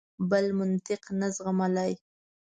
بل منطق نه زغملای.